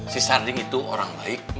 si sarding itu orang baik